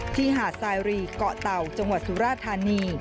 หาดสายรีเกาะเต่าจังหวัดสุราธานี